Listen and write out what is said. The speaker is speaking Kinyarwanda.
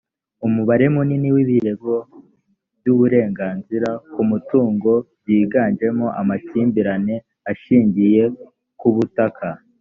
umubare munini w’ibirego by’uburenganzira ku mutungo byiganjemo amakimbirane ashingiye ku butaka.